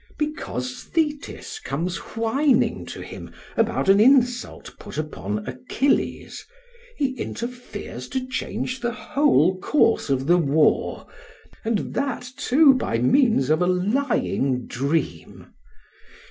Because Thetis comes whining to him about an insult put upon Achilles, he interferes to change the whole course of the war, and that too by means of a lying dream!